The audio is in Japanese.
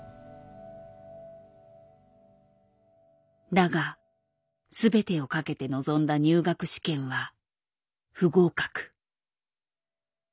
だが全てを懸けて臨んだ入学試験は不合格。